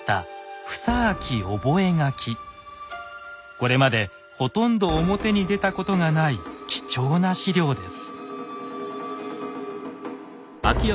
これまでほとんど表に出たことがない貴重な史料です。